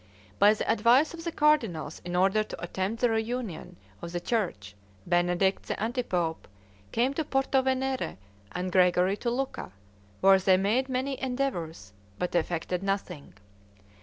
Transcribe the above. By the advice of the cardinals, in order to attempt the reunion of the church, Benedict, the anti pope, came to Porto Venere, and Gregory to Lucca, where they made many endeavors, but effected nothing.